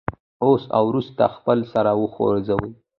اوس او وروسته خپل سر وخوځوئ.